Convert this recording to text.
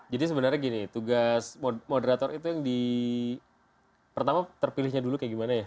sebenarnya gini tugas moderator itu yang di pertama terpilihnya dulu kayak gimana ya